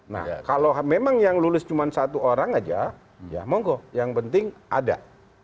nah kalau memang yang lulus cuma satu orang aja ya monggo yang penting ada